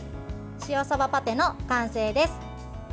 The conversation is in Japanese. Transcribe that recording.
塩さばパテの完成です。